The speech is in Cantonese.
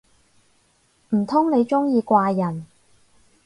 唔通你鍾意怪人